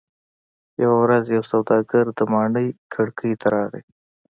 یوه ورځ یو سوداګر د ماڼۍ کړکۍ ته راغی.